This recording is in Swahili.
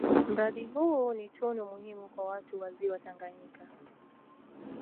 Mradi huu ni tunu muhimu kwa watu wa Ziwa Tanganyika